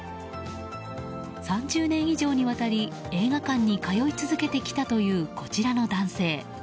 ３０年以上にわたり映画館に通い続けてきたというこちらの男性。